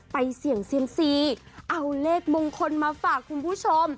เสี่ยงเซียมซีเอาเลขมงคลมาฝากคุณผู้ชม